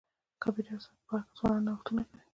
د کمپیوټر ساینس په برخه کي ځوانان نوښتونه کوي.